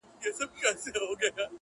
زه هم ځان سره یو څه دلیل لرمه.